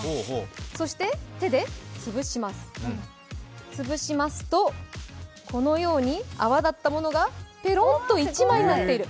そして手で潰しますと、このように泡立ったものがペロンと１枚になっている。